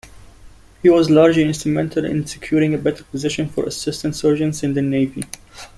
He was largely instrumental in securing a better position for assistant-surgeons in the navy.